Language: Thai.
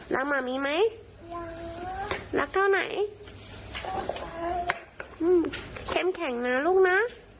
หมามีไหมรักเท่าไหนเข้มแข็งนะลูกนะ